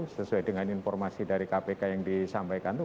sesuai dengan informasi dari kpk yang disampaikan itu